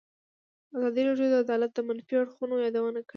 ازادي راډیو د عدالت د منفي اړخونو یادونه کړې.